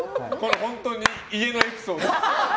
本当に家のエピソード。